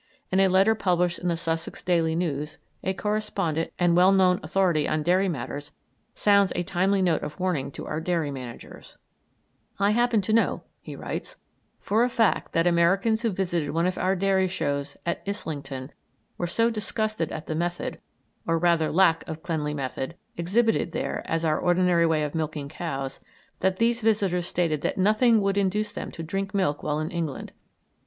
In a letter published in the Sussex Daily News a correspondent and well known authority on dairy matters sounds a timely note of warning to our dairy managers: "I happen to know," he writes, "for a fact that Americans who visited one of our Dairy Shows at Islington were so disgusted at the method or rather lack of cleanly method exhibited there as our ordinary way of milking cows, that these visitors stated that nothing would induce them to drink milk while in England.